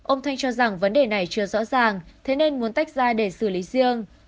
ông thanh cho rằng vấn đề này chưa rõ ràng thế nên muốn tách ra để xử lý riêng